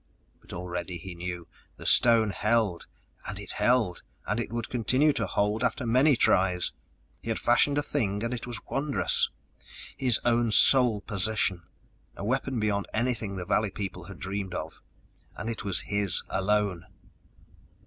But already he knew! The stone held, and it held, and would continue to hold after many tries. He had fashioned a thing and it was wondrous his own sole possession a weapon beyond anything the valley people had dreamed of and it was his alone.